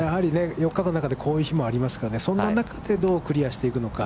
４日間の中でこういう日もありますから、そんな中でどうクリアしていくのか。